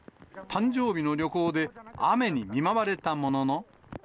誕生日の旅行で雨に見舞われたものの。